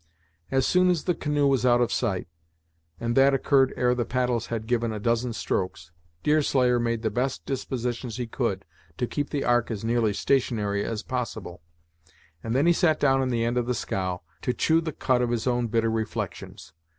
As soon as the canoe was out of sight, and that occurred ere the paddles had given a dozen strokes, Deerslayer made the best dispositions he could to keep the ark as nearly stationary as possible; and then he sat down in the end of the scow, to chew the cud of his own bitter reflections.